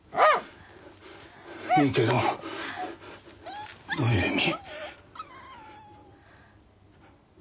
いいけどどういう意味？